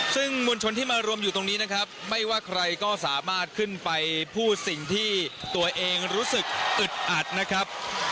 ซึ่งมวลชนที่มารวมอยู่ตรงนี้นะครับไม่ว่าใครก็สามารถขึ้นไปพูดสิ่งที่ตัวเองรู้สึกอึดอัดนะครับ